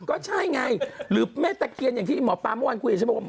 ก็ใช่ไงหรือแม่ตะเคียนอย่างที่หมอปลาเมื่อวานคุยกับฉันบอกว่า